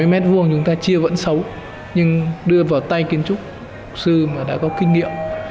năm mươi m hai chúng ta chia vẫn xấu nhưng đưa vào tay kiến trúc sư mà đã có kinh nghiệm